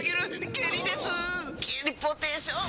ゲリポーテーション。